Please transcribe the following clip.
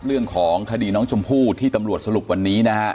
เรื่องของคดีน้องชมพู่ที่ตำรวจสรุปวันนี้นะฮะ